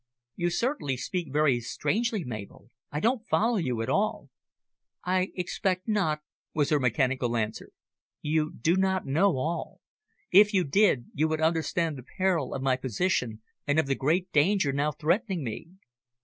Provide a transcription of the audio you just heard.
"You certainly speak very strangely, Mabel. I don't follow you at all." "I expect not," was her mechanical answer. "You do not know all. If you did, you would understand the peril of my position and of the great danger now threatening me."